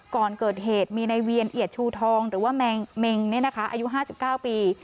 ก่อนเกิดเหตุมีในเวียนเอียดชูทองหรือว่าแมงแมงเนี่ยนะคะอายุห้าสิบเก้าปี